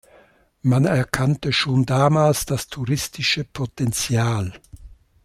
Man erkannte schon damals das touristische Potential.